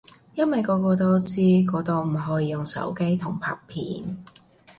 因為個個都知嗰度唔可以用手機同拍片